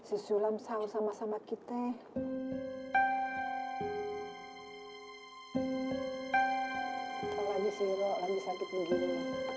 ini malah bersahurah sama teman temannya yang mau kehaj